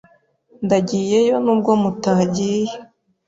Ndagiyeyo nubwo mutagiye.